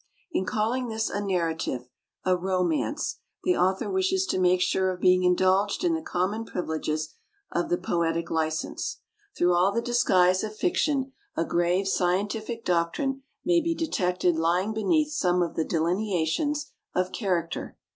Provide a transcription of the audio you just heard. In calling this narrative a "romance," the Author wishes to make sure of being indulged in the common privileges of the poetic license. Through all the disguise of fiction a grave scientific doctrine may be detected lying beneath some of the delineations of character.